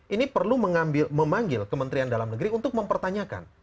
ini perlu memanggil kementerian dalam negeri untuk mempertanyakan